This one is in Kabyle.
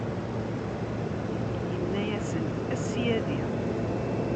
Inna-yasen: A Ssyadi!